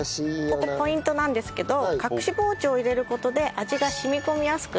ここポイントなんですけど隠し包丁を入れる事で味が染み込みやすくなります。